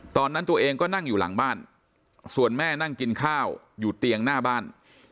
ตอนนั้นตัวเองก็นั่งอยู่หลังบ้านส่วนแม่นั่งกินข้าวอยู่เตียงหน้าบ้าน